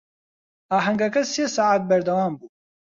ئاهەنگەکە سێ سەعات بەردەوام بوو.